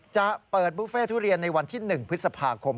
จะเปิดบุฟเฟ่ทุเรียนในวันที่๑พฤษภาคม